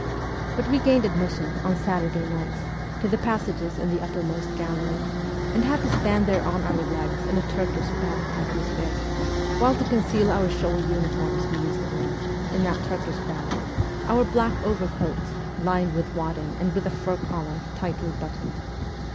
But we gained admission, on Saturday nights, to the passages in the uppermost gallery, and had to stand there on our legs in a Turkish bath atmosphere ; while to conceal our showy uniforms we used to wear, in that Turkish bath, our black overcoats, lined with wadding and with a fur collar, tightly buttoned.